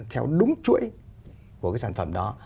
theo đúng chuỗi của cái sản phẩm đó